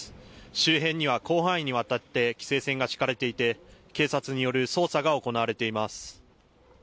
周辺には広範囲にわたって規制線が敷かれていて、警察による捜査が行われています。